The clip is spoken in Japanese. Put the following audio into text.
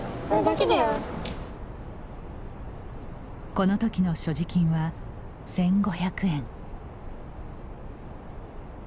この時の所持金は１５００円。